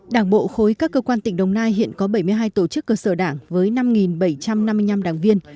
đảng bộ khối các cơ quan tỉnh đồng nai hiện có bảy mươi hai tổ chức cơ sở đảng với năm bảy trăm năm mươi năm đảng viên